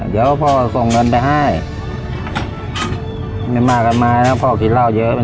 เดี๋ยวพ่อส่งเงินไปให้ไม่มากันมานะพ่อกินเหล้าเยอะ